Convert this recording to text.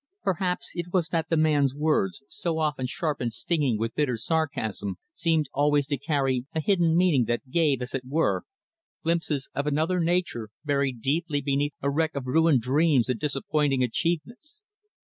Perhaps it was that the man's words, so often sharp and stinging with bitter sarcasm, seemed always to carry a hidden meaning that gave, as it were, glimpses of another nature buried deeply beneath a wreck of ruined dreams and disappointing achievements.